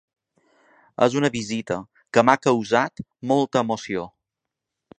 És una visita que m’ha causat molta emoció.